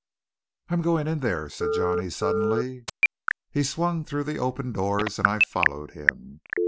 "I'm going in here," said Johnny, suddenly. He swung through the open doors, and I followed him.